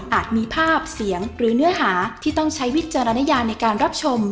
มีภาพเสียงหรือเนื้อหาที่ต้องใช้วิจารณญาในการรับชม